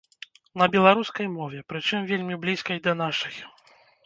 На беларускай мове, прычым вельмі блізкай да нашай.